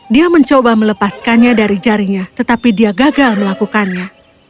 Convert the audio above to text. dia mencoba melepaskannya dari jarinya tetapi dia gagal melakukannya